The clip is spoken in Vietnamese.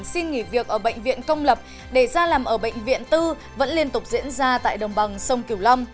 xin nghỉ việc ở bệnh viện công lập để ra làm ở bệnh viện tư vẫn liên tục diễn ra tại đồng bằng sông kiều long